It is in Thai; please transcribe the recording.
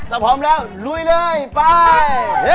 ถ้าพร้อมแล้วลุยเลยไป